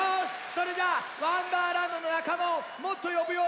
それじゃあ「わんだーらんど」のなかまをもっとよぶよ！